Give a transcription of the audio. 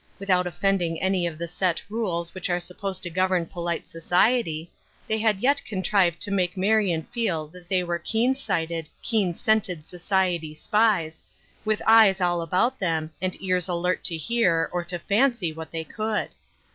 With out offending any of the set rules which are supposed to govern polite society, they had yet contrived to make Marion feel that they were keen sighted, keen scented society spies, with eyes all about them, and ears alert to hear, or to fancy what they could.